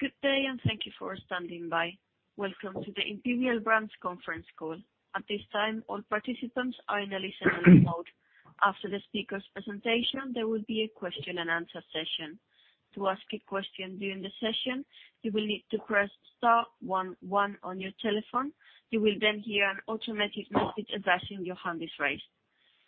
Good day, and thank you for standing by. Welcome to the Imperial Brands conference call. At this time, all participants are in a listen-only mode. After the speaker's presentation, there will be a question and answer session. To ask a question during the session, you will need to press star one one on your telephone. You will then hear an automatic message advising your hand is raised.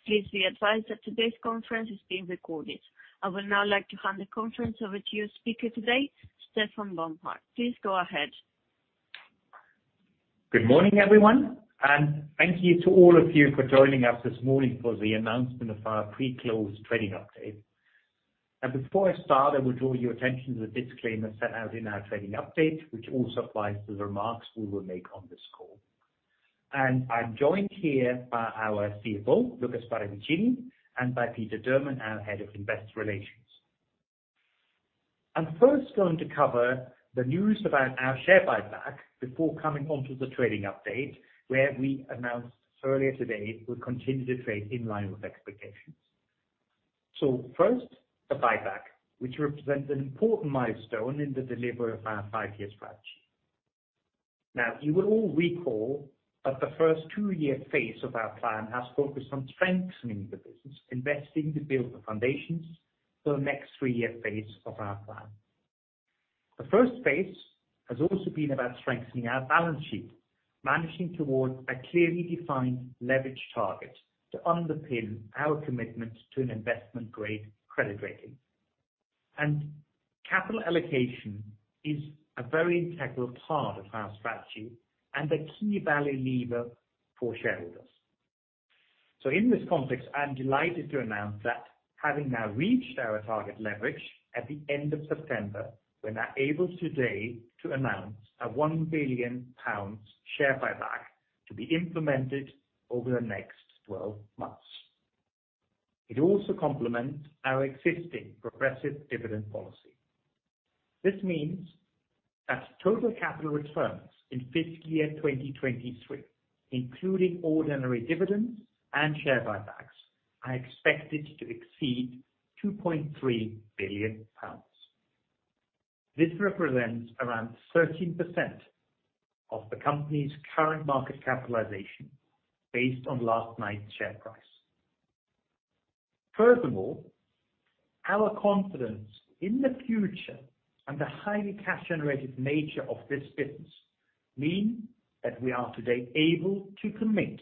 Please be advised that today's conference is being recorded. I would now like to hand the conference over to your speaker today, Stefan Bomhard. Please go ahead. Good morning, everyone, and thank you to all of you for joining us this morning for the announcement of our pre-close trading update. Before I start, I will draw your attention to the disclaimer set out in our trading update, which also applies to the remarks we will make on this call. I'm joined here by our CFO, Lukas Paravicini, and by Peter Durman, our Head of Investor Relations. I'm first going to cover the news about our share buyback before coming onto the trading update, where we announced earlier today we continue to trade in line with expectations. First, the buyback, which represents an important milestone in the delivery of our five-year strategy. Now, you will all recall that the first two-year phase of our plan has focused on strengthening the business, investing to build the foundations for the next three-year phase of our plan. The Phase I has also been about strengthening our balance sheet, managing towards a clearly defined leverage target to underpin our commitment to an investment-grade credit rating. Capital allocation is a very integral part of our strategy and a key value lever for shareholders. In this context, I'm delighted to announce that having now reached our target leverage at the end of September, we're now able today to announce a 1 billion pounds share buyback to be implemented over the next 12 months. It also complements our existing progressive dividend policy. This means that total capital returns in fiscal year 2023, including ordinary dividends and share buybacks, are expected to exceed 2.3 billion pounds. This represents around 13% of the company's current market capitalization based on last night's share price. Furthermore, our confidence in the future and the highly cash generative nature of this business mean that we are today able to commit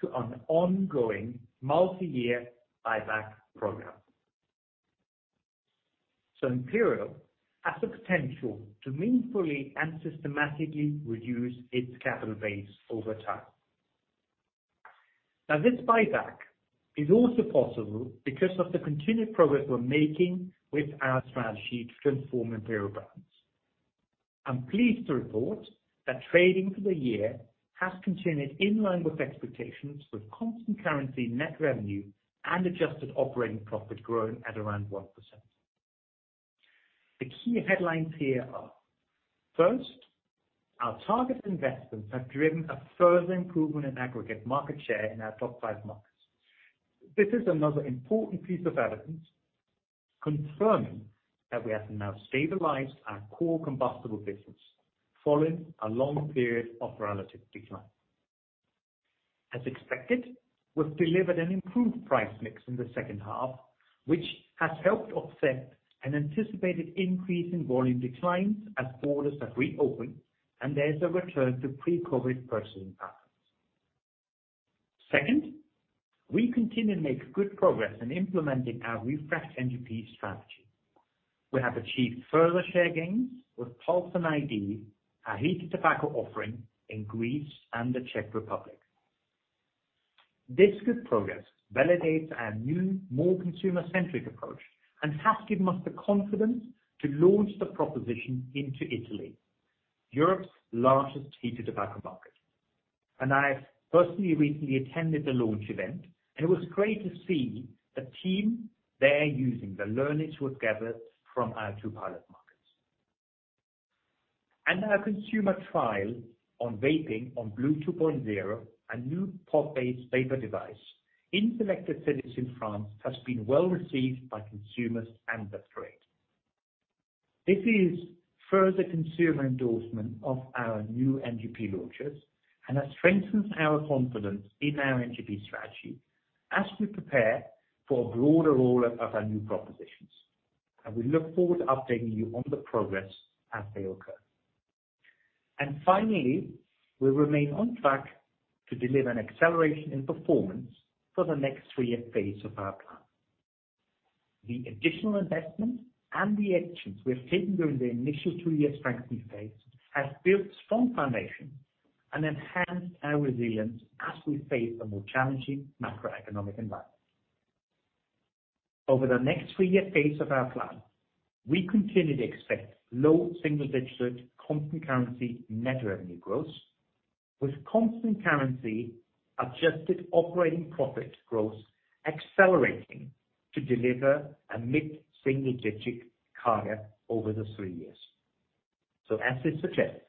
to an ongoing multiyear buyback program. Imperial has the potential to meaningfully and systematically reduce its capital base over time. Now, this buyback is also possible because of the continued progress we're making with our strategy to transform Imperial Brands. I'm pleased to report that trading for the year has continued in line with expectations, with constant currency net revenue and adjusted operating profit growing at around 1%. The key headlines here are, first, our target investments have driven a further improvement in aggregate market share in our top five markets. This is another important piece of evidence confirming that we have now stabilized our core combustible business following a long period of relative decline. As expected, we've delivered an improved price/mix in theH2, which has helped offset an anticipated increase in volume declines as borders have reopened and there's a return to pre-COVID purchasing patterns. Second, we continue to make good progress in implementing our refreshed NGP strategy. We have achieved further share gains with Pulze and iD, our heated tobacco offering in Greece and the Czech Republic. This good progress validates our new, more consumer-centric approach and has given us the confidence to launch the proposition into Italy, Europe's largest heated tobacco market. I personally recently attended the launch event, and it was great to see the team there using the learnings we've gathered from our two pilot markets. Our consumer trial on vaping on blu 2.0, a new pod-based vapor device in selected cities in France, has been well received by consumers and the trade. This is further consumer endorsement of our new NGP launches and has strengthened our confidence in our NGP strategy as we prepare for a broader roll out of our new propositions. We look forward to updating you on the progress as they occur. Finally, we remain on track to deliver an acceleration in performance for the next three-year phase of our plan. The additional investment and the actions we have taken during the initial two-year strengthening phase has built strong foundations and enhanced our resilience as we face a more challenging macroeconomic environment. Over the next three-year phase of our plan, we continue to expect low single-digit constant currency net revenue growth, with constant currency adjusted operating profit growth accelerating to deliver a mid-single digit CAGR over the three years. As this suggests,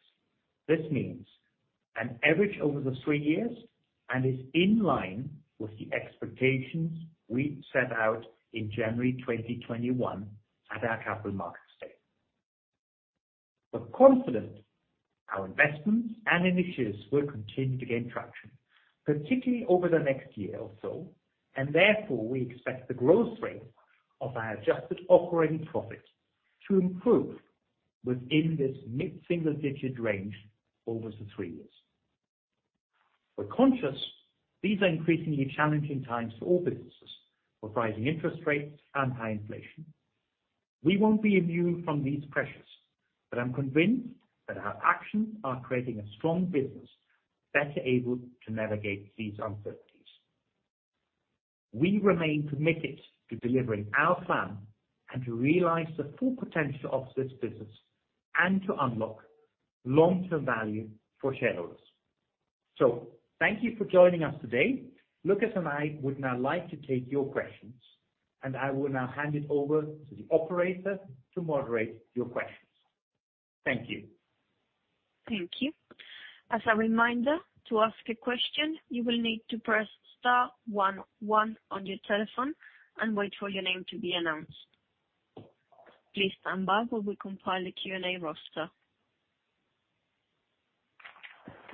this means an average over the three years and is in line with the expectations we set out in January 2021 at our Capital Markets Day. We're confident our investments and initiatives will continue to gain traction, particularly over the next year or so, and therefore, we expect the growth rate of our adjusted operating profit to improve within this mid-single digit range over the three years. We're conscious these are increasingly challenging times for all businesses, with rising interest rates and high inflation. We won't be immune from these pressures, but I'm convinced that our actions are creating a strong business better able to navigate these uncertainties. We remain committed to delivering our plan and to realize the full potential of this business and to unlock long-term value for shareholders. Thank you for joining us today. Lukas and I would now like to take your questions, and I will now hand it over to the operator to moderate your questions. Thank you. Thank you. As a reminder, to ask a question, you will need to press star one one on your telephone and wait for your name to be announced. Please stand by while we compile a Q&A roster.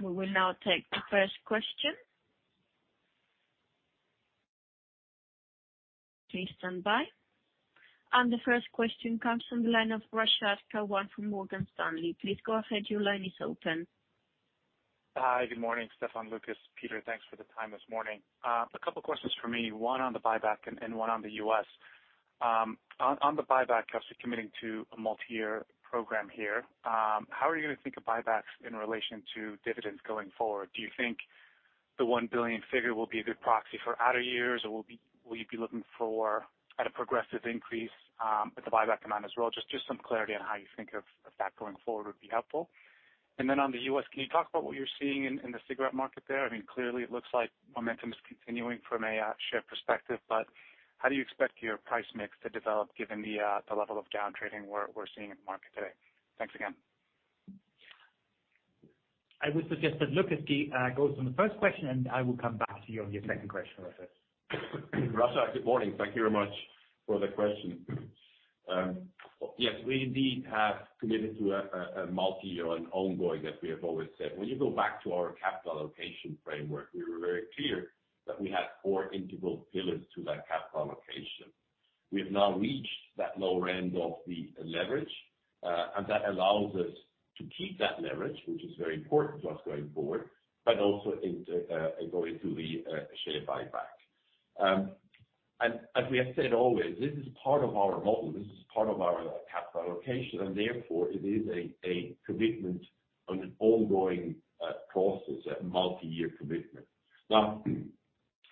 We will now take the first question. Please stand by. The first question comes from the line of Rashad Kadian from Morgan Stanley. Please go ahead. Your line is open. Hi, good morning, Stefan, Lukas, Peter, thanks for the time this morning. A couple questions from me, one on the buyback and one on the U.S. On the buyback, you're also committing to a multi-year program here. How are you gonna think of buybacks in relation to dividends going forward? Do you think the 1 billion figure will be a good proxy for outer years, or will you be looking for a progressive increase at the buyback amount as well? Just some clarity on how you think of that going forward would be helpful. Then on the U.S., can you talk about what you're seeing in the cigarette market there? I mean, clearly it looks like momentum is continuing from a share perspective, but how do you expect your price/mix to develop given the level of downtrading we're seeing in the market today? Thanks again. I would suggest that Lukas, he, goes on the first question, and I will come back to you on your second question, Rashad. Rashad, good morning. Thank you very much for the question. Yes, we indeed have committed to a multi-year and ongoing, as we have always said. When you go back to our capital allocation framework, we were very clear that we had four integral pillars to that capital allocation. We have now reached that lower end of the leverage, and that allows us to keep that leverage, which is very important to us going forward, but also into the share buyback. As we have said always, this is part of our model. This is part of our capital allocation, and therefore it is a commitment and an ongoing process, a multi-year commitment.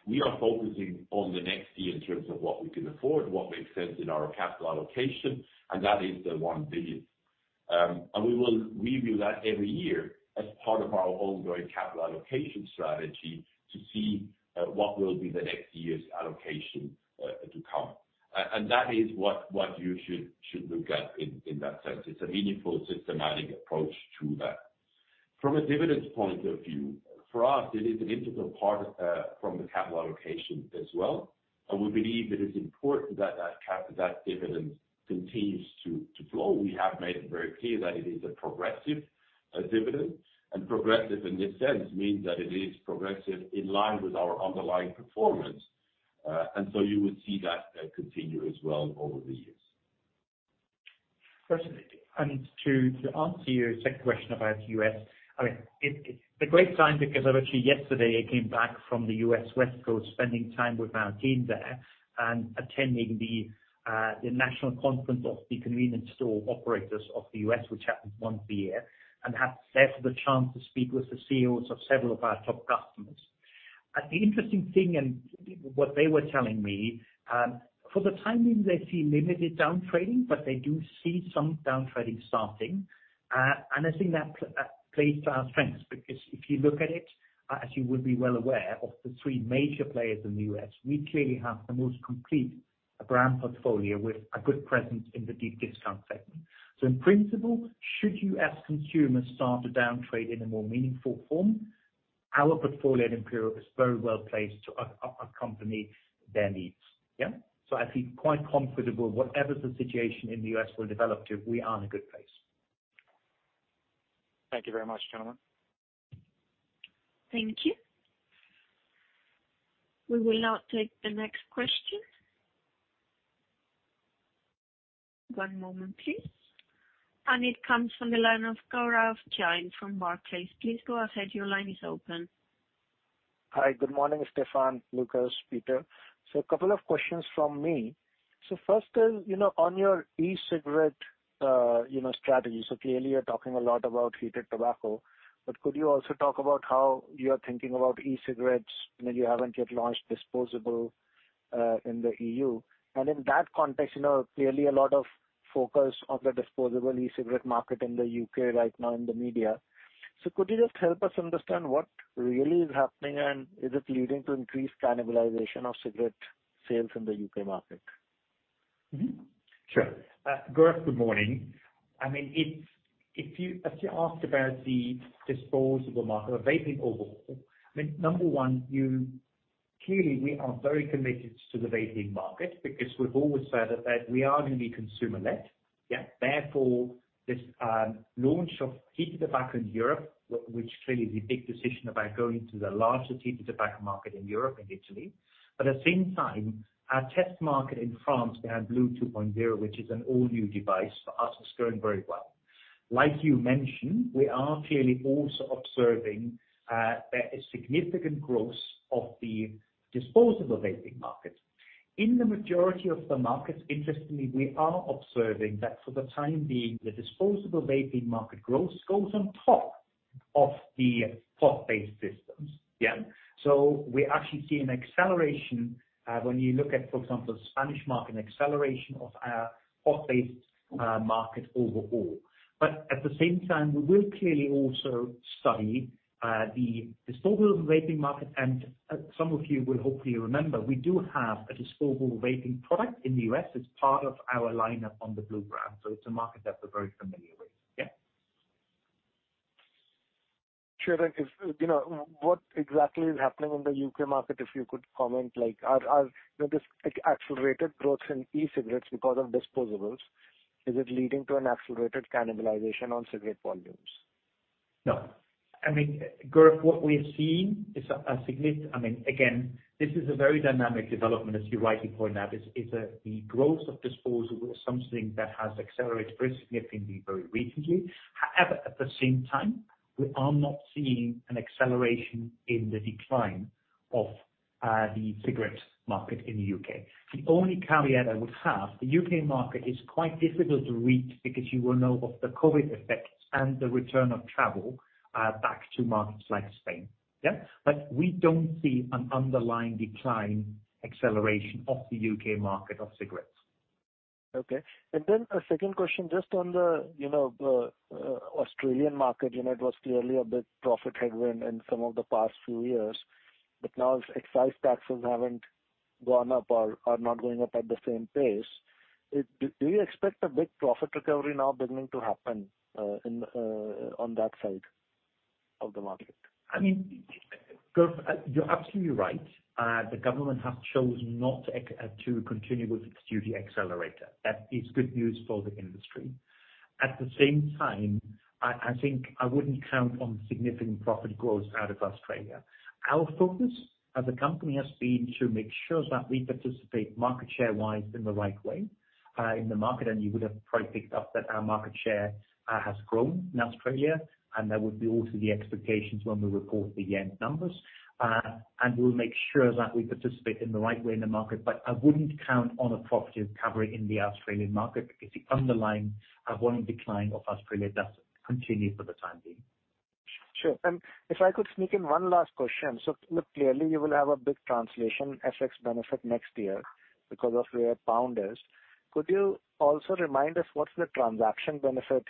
We are focusing on the next year in terms of what we can afford, what makes sense in our capital allocation, and that is the 1 billion. We will review that every year as part of our ongoing capital allocation strategy to see what will be the next year's allocation to come. That is what you should look at in that sense. It's a meaningful, systematic approach to that. From a dividend point of view, for us, it is an integral part from the capital allocation as well, and we believe it is important that that dividend continues to flow. We have made it very clear that it is a progressive dividend, and progressive in this sense means that it is progressive in line with our underlying performance, and so you would see that continue as well over the years. To answer your second question about the U.S., I mean, it's a great time because actually yesterday I came back from the U.S. West Coast, spending time with our team there and attending the national conference of the convenience store operators of the U.S., which happens once a year, and had therefore the chance to speak with the CEOs of several of our top customers. The interesting thing and what they were telling me, for the time being, they see limited downtrading, but they do see some downtrading starting. I think that plays to our strengths, because if you look at it, as you would be well aware, of the three major players in the U.S., we clearly have the most complete brand portfolio with a good presence in the deep discount segment. In principle, should you as consumers start to downtrade in a more meaningful form, our portfolio at Imperial is very well placed to accompany their needs. Yeah? I feel quite comfortable whatever the situation in the U.S. will develop to, we are in a good place. Thank you very much, gentlemen. Thank you. We will now take the next question. One moment please. It comes from the line of Gaurav Jain from Barclays. Please go ahead, your line is open. Hi, good morning, Stefan, Lukas, Peter. A couple of questions from me. First is on your e-cigarette strategy. Clearly you're talking a lot about heated tobacco, but could you also talk about how you are thinking about e-cigarettes when you haven't yet launched disposable in the EU? In that context clearly a lot of focus on the disposable e-cigarette market in the UK right now in the media. Could you just help us understand what really is happening, and is it leading to increased cannibalization of cigarette sales in the UK market? Sure. Gaurav, good morning. I mean, if you asked about the disposable market, the vaping overall, I mean, number one, clearly we are very committed to the vaping market because we've always said that we are gonna be consumer led, yeah. Therefore, this launch of heated tobacco in Europe, which clearly the big decision about going to the largest heated tobacco market in Europe and Italy. At the same time, our test market in France, we have blu two point zero, which is an all-new device for us, it's going very well. Like you mentioned, we are clearly also observing that a significant growth of the disposable vaping market. In the majority of the markets, interestingly, we are observing that for the time being, the disposable vaping market growth goes on top of the pod-based systems, yeah. We actually see an acceleration, when you look at, for example, Spanish market acceleration of our pod-based, market overall. At the same time, we will clearly also study, the disposable vaping market. Some of you will hopefully remember, we do have a disposable vaping product in the U.S. It's part of our lineup on the blu brand. It's a market that we're very familiar with. Yeah. Sure. If you know what exactly is happening in the U.K. market, if you could comment like are you know this accelerated growth in e-cigarettes because of disposables, is it leading to an accelerated cannibalization on cigarette volumes? No. I mean, Gaurav Jain, what we've seen is I mean, again, this is a very dynamic development, as you rightly point out. It's the growth of disposable is something that has accelerated very significantly very recently. However, at the same time, we are not seeing an acceleration in the decline of the cigarette market in the U.K. The only caveat I would have, the U.K. market is quite difficult to read because you are now out of the COVID effects and the return of travel back to markets like Spain. Yeah. We don't see an underlying decline acceleration of the U.K. market of cigarettes. Okay. A second question, just on the Australian market it was clearly a bit profit headwind in some of the past few years, but now excise taxes haven't gone up or not going up at the same pace. Do you expect a big profit recovery now beginning to happen, in on that side of the market? I mean, Gaurav Jain, you're absolutely right. The government has chosen not to continue with its duty escalator. That is good news for the industry. At the same time, I think I wouldn't count on significant profit growth out of Australia. Our focus as a company has been to make sure that we participate market share-wise in the right way, in the market, and you would have probably picked up that our market share has grown in Australia, and that would be also the expectations when we report the end numbers. We'll make sure that we participate in the right way in the market. I wouldn't count on a profit recovery in the Australian market because the underlying volume decline in Australia does continue for the time being. Sure. If I could sneak in one last question. Look, clearly you will have a big translation FX benefit next year because of where pound is. Could you also remind us what's the transaction benefit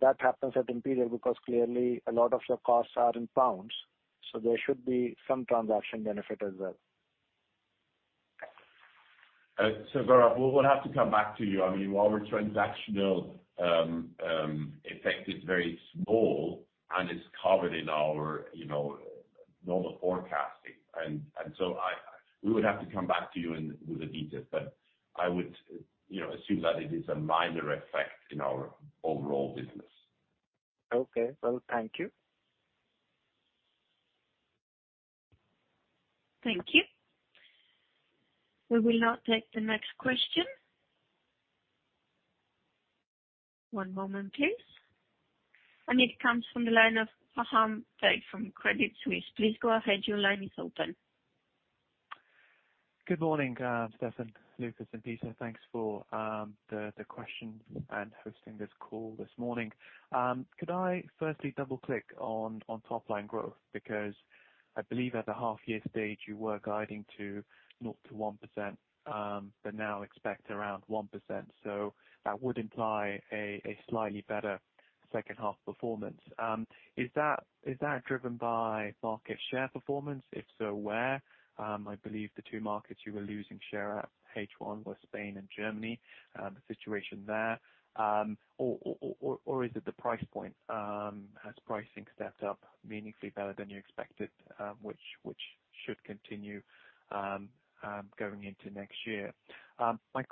that happens at Imperial? Because clearly a lot of your costs are in pounds, so there should be some transaction benefit as well. Gaurav Jain, we will have to come back to you. I mean, our transactional effect is very small, and it's covered in our normal forecasting. We would have to come back to you with the details, but I would assume that it is a minor effect in our overall business. Okay. Well, thank you. Thank you. We will now take the next question. One moment, please. It comes from the line of Faham Baig from Credit Suisse. Please go ahead. Your line is open. Good morning, Stefan, Lukas, and Peter. Thanks for the question and hosting this call this morning. Could I firstly double-click on top line growth? Because I believe at the half year stage you were guiding to 0%-1%, but now expect around 1%, so that would imply a slightly betterH2 performance. Is that driven by market share performance? If so, where? I believe the two markets you were losing share at H1 was Spain and Germany, the situation there. Or is it the price point? Has pricing stepped up meaningfully better than you expected, which should continue going into next year? My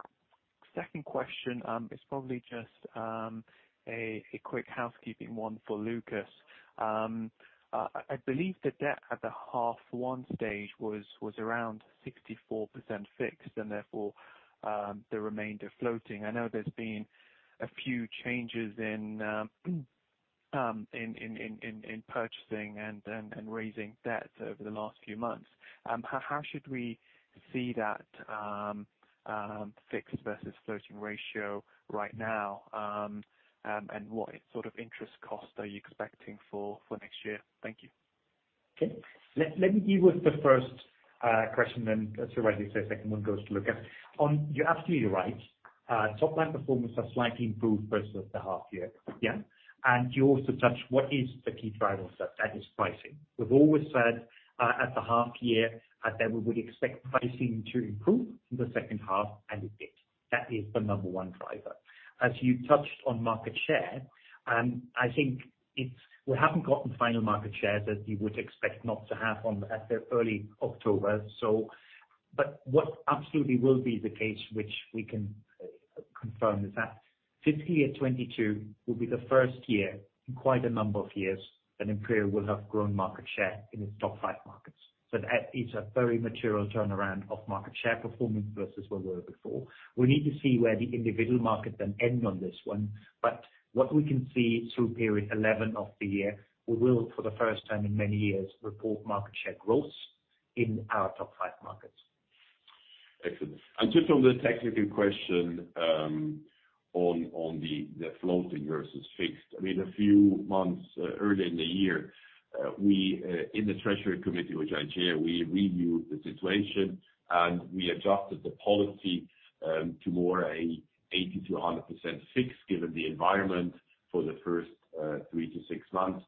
second question is probably just a quick housekeeping one for Lukas. I believe the debt at the H1 stage was around 64% fixed and therefore the remainder floating. I know there's been a few changes in purchasing and raising debt over the last few months. How should we see that fixed versus floating ratio right now? What sort of interest costs are you expecting for next year? Thank you. Okay. Let me deal with the first question, then as you rightly say, second one goes to Lukas. You're absolutely right. Top-line performance has slightly improved versus the half year. You also touched what is the key driver of that. That is pricing. We've always said at the half year that we would expect pricing to improve in theH2, and it did. That is the number one driver. As you touched on market share, and I think it's. We haven't gotten final market share that you would expect not to have on at the early October, so, but what absolutely will be the case, which we can confirm, is that 2022 will be the first year in quite a number of years that Imperial will have grown market share in its top five markets. That it's a very material turnaround of market share performance versus where we were before. We need to see where the individual markets then end on this one. What we can see through period 11 of the year, we will, for the first time in many years, report market share growth in our top five markets. Excellent. Just on the technical question, on the floating versus fixed. I mean, a few months earlier in the year, in the Treasury Committee, which I chair, we reviewed the situation and we adjusted the policy to more a 80%-100% fixed given the environment for the first 3-6 months.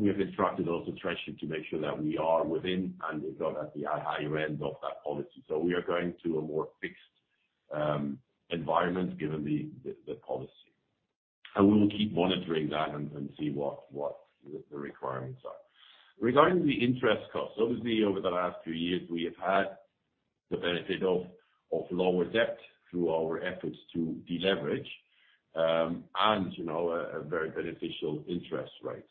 We have instructed also Treasury to make sure that we are within and, if not, at the higher end of that policy. We are going to a more fixed environment, given the policy. We will keep monitoring that and see what the requirements are. Regarding the interest costs, obviously over the last few years, we have had the benefit of lower debt through our efforts to deleverage, and a very beneficial interest rates.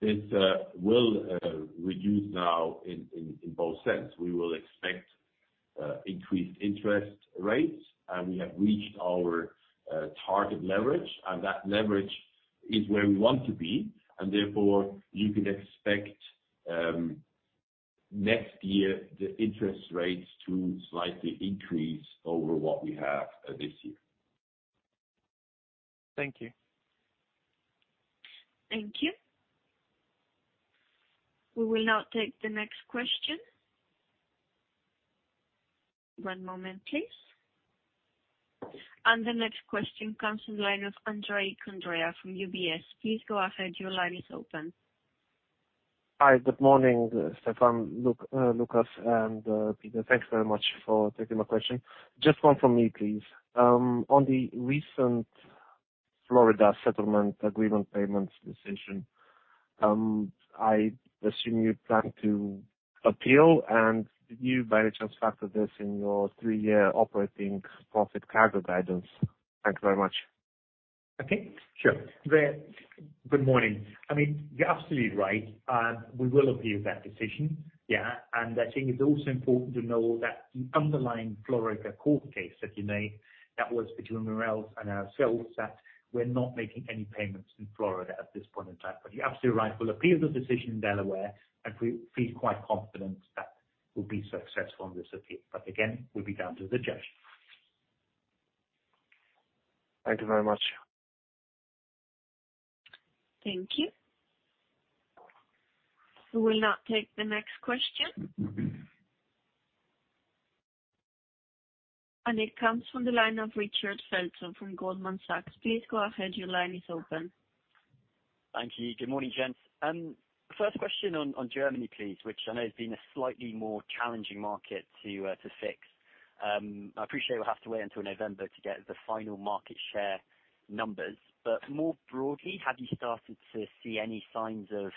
It will reduce now in both senses. We will expect increased interest rates, and we have reached our target leverage, and that leverage is where we want to be, and therefore you can expect, next year, the interest rates to slightly increase over what we have this year. Thank you. Thank you. We will now take the next question. One moment, please. The next question comes from the line of Andrei Condrea from UBS. Please go ahead. Your line is open. Hi. Good morning, Stefan, Lukas, and Peter. Thanks very much for taking my question. Just one from me, please. On the recent Florida settlement agreement payments decision, I assume you plan to appeal, and did you by any chance factor this in your three-year operating profit CAGR guidance? Thank you very much. Okay. Sure. Good morning. I mean, you're absolutely right. We will appeal that decision. Yeah. I think it's also important to know that the underlying Florida court case, if you may, that was between Morales and ourselves, that we're not making any payments in Florida at this point in time. You're absolutely right. We'll appeal the decision in Delaware, and we feel quite confident that we'll be successful on this appeal. Again, will be down to the judge. Thank you very much. Thank you. We will now take the next question. It comes from the line of Richard Felton from Goldman Sachs. Please go ahead. Your line is open. Thank you. Good morning, gents. First question on Germany, please, which I know has been a slightly more challenging market to fix. I appreciate we'll have to wait until November to get the final market share numbers. More broadly, have you started to see any signs of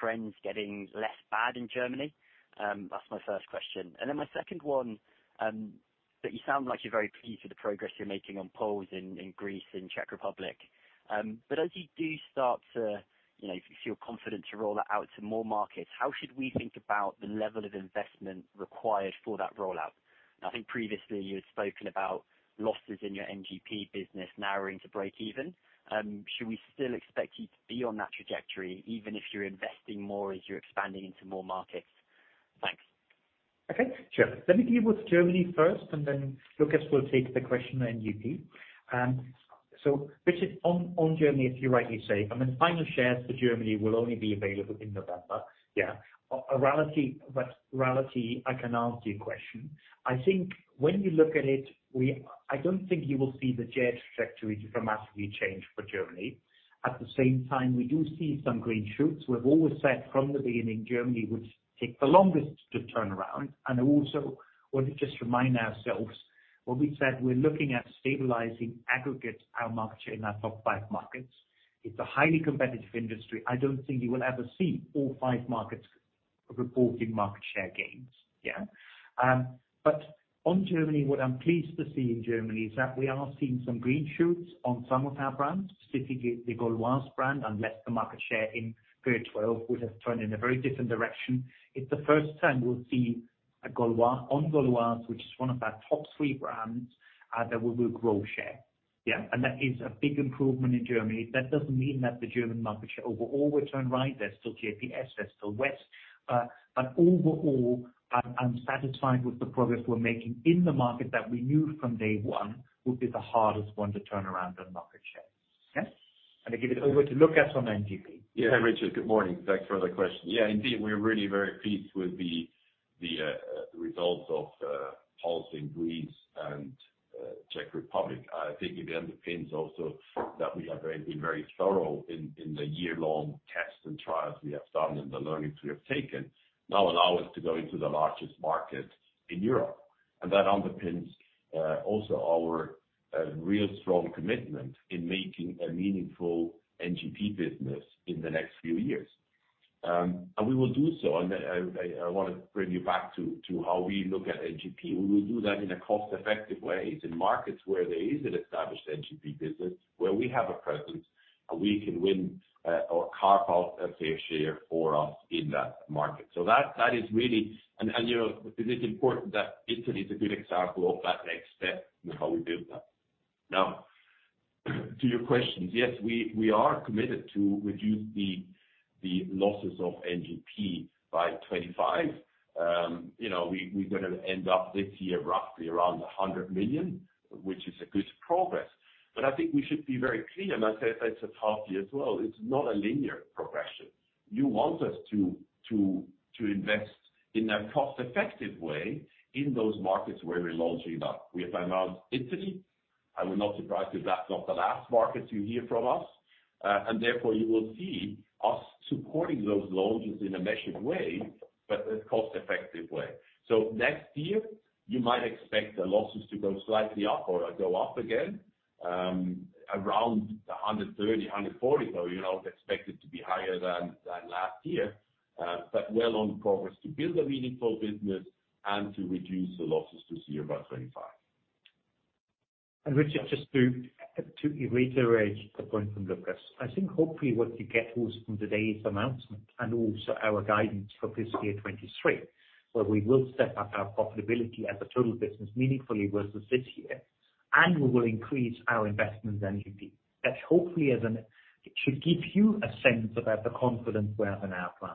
trends getting less bad in Germany? That's my first question. Then my second one, but you sound like you're very pleased with the progress you're making on Pulze in Greece and Czech Republic. As you do start to feel confident to roll that out to more markets, how should we think about the level of investment required for that rollout? I think previously you had spoken about losses in your NGP business narrowing to break even. Should we still expect you to be on that trajectory, even if you're investing more as you're expanding into more markets? Thanks. Okay. Sure. Let me deal with Germany first, then Lukas Paravicini will take the question on UK. So Richard Felton, on Germany, as you rightly say, I mean, final shares for Germany will only be available in November. In reality, I can answer your question. I think when you look at it, we, I don't think you will see the trajectory dramatically change for Germany. At the same time, we do see some green shoots. We've always said from the beginning, Germany would take the longest to turn around. I also want to just remind ourselves when we said we're looking at stabilizing our aggregate market share in our top five markets. It's a highly competitive industry. I don't think you will ever see all five markets reporting market share gains. On Germany, what I'm pleased to see in Germany is that we are seeing some green shoots on some of our brands, specifically the Gauloises brand, and lest the market share in period twelve would have turned in a very different direction. It's the first time we'll see Gauloises, which is one of our top three brands, that we will grow share. Yeah. That is a big improvement in Germany. That doesn't mean that the German market share overall will turn right. There's still JPS, there's still West. But overall, I'm satisfied with the progress we're making in the market that we knew from day one would be the hardest one to turn around on market share. Yeah. I give it over to Lukas on NGP. Yeah. Richard, good morning. Thanks for the question. Yeah, indeed. We're really very pleased with the results of Pulze in Greece and Czech Republic. I think it underpins also that we are going to be very thorough in the year-long tests and trials we have done, and the learnings we have taken now allow us to go into the largest market in Europe. That underpins also our real strong commitment in making a meaningful NGP business in the next few years. We will do so. I wanna bring you back to how we look at NGP. We will do that in a cost-effective way. It's in markets where there is an established NGP business, where we have a presence, and we can win or carve out a fair share for us in that market. You know, it is important that Italy is a good example of that next step and how we build that. Now, to your questions. Yes, we are committed to reduce the losses of NGP by 25. You know, we're gonna end up this year roughly around 100 million, which is a good progress. I think we should be very clear, and as I said, it's a tough year as well. It's not a linear progression. You want us to invest in a cost-effective way in those markets where we're launching that. We have announced Italy. I will not surprise you that's not the last market you hear from us. Therefore, you will see us supporting those launches in a measured way, but a cost-effective way. Next year, you might expect the losses to go slightly up or go up again, around 130-140, though expected to be higher than last year. Well on progress to build a meaningful business and to reduce the losses to zero by 2025. Richard, just to reiterate a point from Lukas. I think hopefully what you get also from today's announcement and also our guidance for fiscal year 2023, where we will step up our profitability as a total business meaningfully versus this year, and we will increase our investment in NGP. That hopefully is. It should give you a sense about the confidence we have in our plan.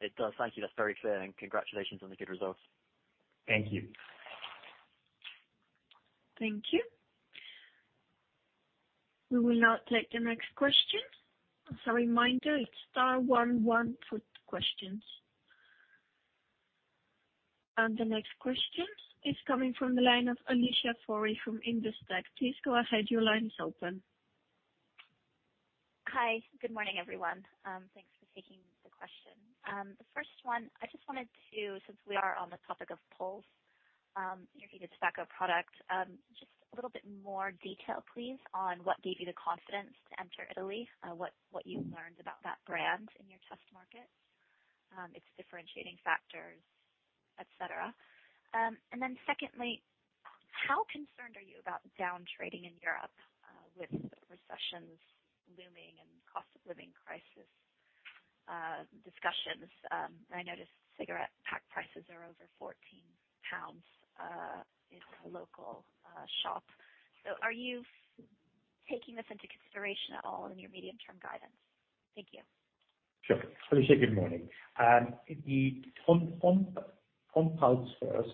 It does. Thank you. That's very clear. Congratulations on the good results. Thank you. Thank you. We will now take the next question. As a reminder, it's star one one for questions. The next question is coming from the line of Alicia Forry from Investec. Please go ahead. Your line is open. Hi. Good morning, everyone. Thanks for taking the question. The first one, I just wanted to, since we are on the topic of Pulze, your heated tobacco product, just a little bit more detail, please, on what gave you the confidence to enter Italy, what you learned about that brand in your test market, its differentiating factors, et cetera. Secondly, how concerned are you about downtrading in Europe, with recessions looming and cost of living crisis, discussions? I noticed cigarette pack prices are over 14 pounds in a local shop. Are you taking this into consideration at all in your medium-term guidance? Thank you. Sure. Alicia, good morning. The Pulze first,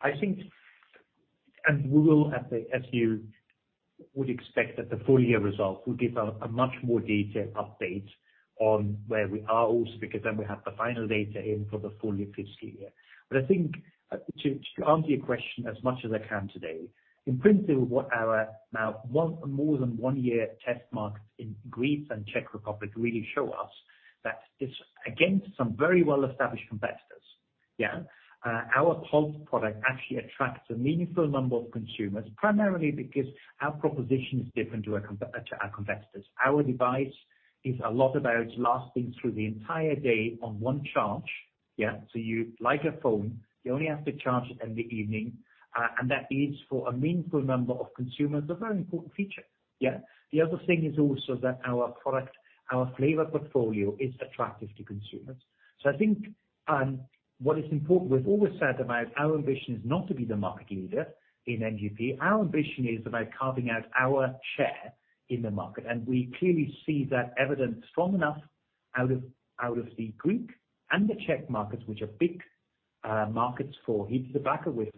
I think. We will, as you would expect, at the full year results, we'll give a much more detailed update on where we are also, because then we have the final data in for the full fiscal year. I think to answer your question as much as I can today, in principle, what our now one, more than one-year test markets in Greece and Czech Republic really show us that it's against some very well-established competitors. Our Pulze product actually attracts a meaningful number of consumers, primarily because our proposition is different to our competitors. Our device is a lot about lasting through the entire day on one charge. Like a phone, you only have to charge it in the evening. That is, for a meaningful number of consumers, a very important feature, yeah. The other thing is also that our product, our flavor portfolio is attractive to consumers. I think what is important, we've always said about our ambition is not to be the market leader in NGP. Our ambition is about carving out our share in the market, and we clearly see that evidence strong enough out of the Greek and the Czech markets, which are big markets for heated tobacco with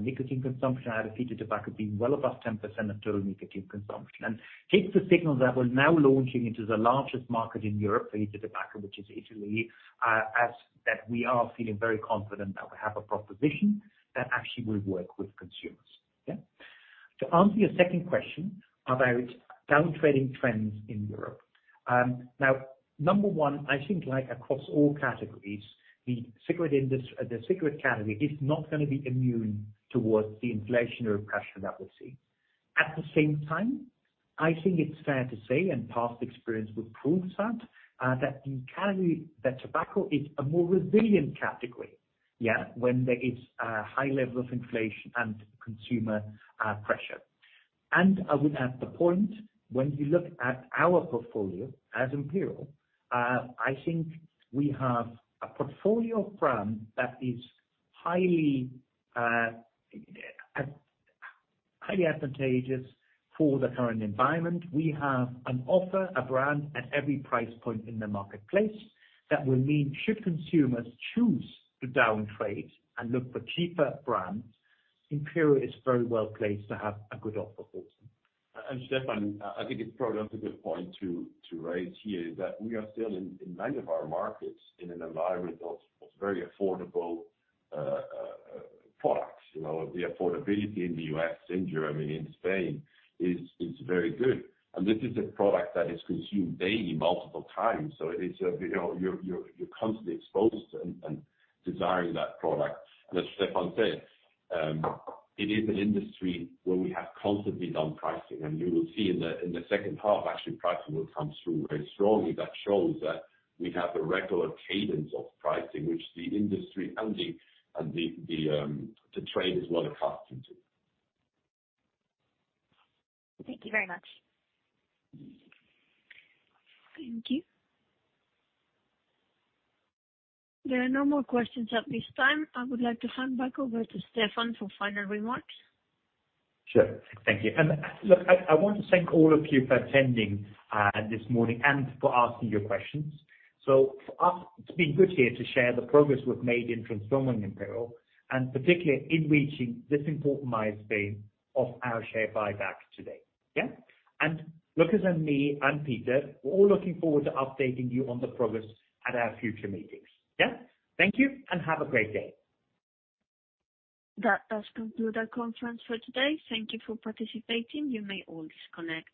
nicotine consumption out of heated tobacco being well above 10% of total nicotine consumption. That takes the signal that we're now launching into the largest market in Europe for heated tobacco, which is Italy, as that we are feeling very confident that we have a proposition that actually will work with consumers. Yeah. To answer your second question about downtrading trends in Europe. Number one, I think like across all categories, the cigarette category is not gonna be immune towards the inflationary pressure that we'll see. At the same time, I think it's fair to say, and past experience would prove that the category, that tobacco is a more resilient category, yeah, when there is a high level of inflation and consumer pressure. I would add the point, when you look at our portfolio as Imperial, I think we have a portfolio of brands that is highly advantageous for the current environment. We have an offer, a brand at every price point in the marketplace that will mean should consumers choose to downtrade and look for cheaper brands, Imperial is very well placed to have a good offer for them. Stefan, I think it's probably also a good point to raise here that we are still in many of our markets, in an environment of very affordable products. You know, the affordability in the U.S., in Germany, in Spain is very good. This is a product that is consumed daily multiple times. It is you're constantly exposed to and desiring that product. As Stefan said, it is an industry where we have constantly done pricing, and you will see in theH2, actually, pricing will come through very strongly. That shows that we have a regular cadence of pricing, which the industry and the trade is well accustomed to. Thank you very much. Thank you. There are no more questions at this time. I would like to hand back over to Stefan for final remarks. Sure. Thank you. Look, I want to thank all of you for attending this morning and for asking your questions. For us, it's been good here to share the progress we've made in transforming Imperial, and particularly in reaching this important milestone of our share buyback today. Yeah? Lukas and me and Peter, we're all looking forward to updating you on the progress at our future meetings. Yeah? Thank you, and have a great day. That does conclude our conference for today. Thank you for participating. You may all disconnect.